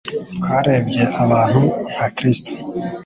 Twarebye abantu nka Kristo.